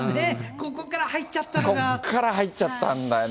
ここから入っちゃったんだよな。